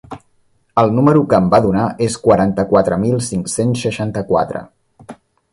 El número que em van donar és quaranta-quatre mil cinc-cents seixanta-quatre.